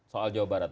soal jawa barat